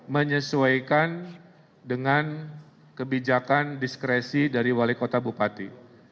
menyesuaikan dengan kebijakan diskresi dari wali kota bupati